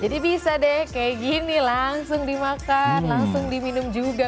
bisa deh kayak gini langsung dimakan langsung diminum juga